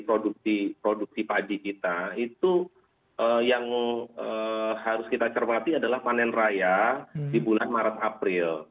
jadi produksi paji kita itu yang harus kita cerpati adalah panen raya di bulan maret april